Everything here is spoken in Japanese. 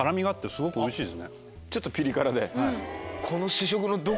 ちょっとピリ辛ではい。